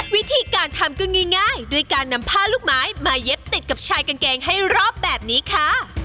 วิธีการทำก็ง่ายด้วยการนำผ้าลูกไม้มาเย็บติดกับชายกางเกงให้รอบแบบนี้ค่ะ